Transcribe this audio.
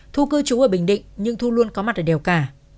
thu cư trú ở bình định nhưng thu luôn có mặt ở đèo cả